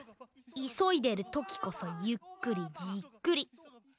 いそいでるときこそゆっくりじっくり。